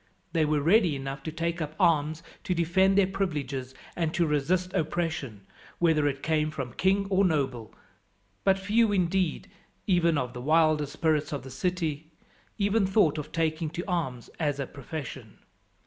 They were ready enough to take up arms to defend their privileges and to resist oppression, whether it came from king or noble; but few indeed, even of the wilder spirits of the city, ever thought of taking to arms as a profession.